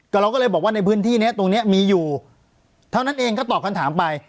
เราก็เลยบอกว่าในพื้นที่เนี้ยตรงเนี้ยมีอยู่เท่านั้นเองก็ตอบคำถามไป